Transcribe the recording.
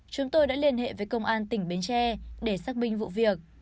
chúng tôi đã liên hệ với công an tỉnh bến tre để xác minh vụ việc